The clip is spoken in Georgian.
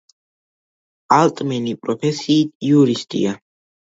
ალტმანი პროფესიით იურისტია.